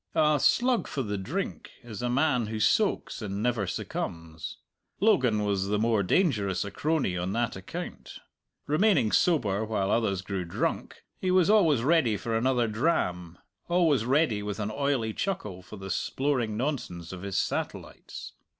A "slug for the drink" is a man who soaks and never succumbs. Logan was the more dangerous a crony on that account. Remaining sober while others grew drunk, he was always ready for another dram, always ready with an oily chuckle for the sploring nonsense of his satellites.